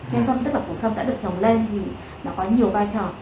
nhân xăm tức là của xăm đã được trồng lên thì nó có nhiều vai trò